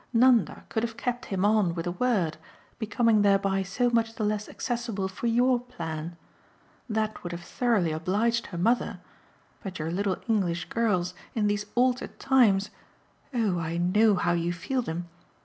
Nanda could have kept him on with a word, becoming thereby so much the less accessible for YOUR plan. That would have thoroughly obliged her mother, but your little English girls, in these altered times oh I know how you feel them!